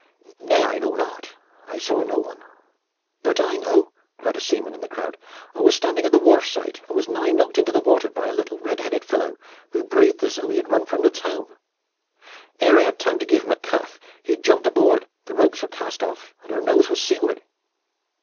"Nay, I know not. I saw no one." "But I know," cried a seaman in the crowd. "I was standing at the wharf side and was nigh knocked into the water by a little red headed fellow, who breathed as though he had run from the town. Ere I had time to give him a cuff he had jumped aboard, the ropes were cast off, and her nose was seaward."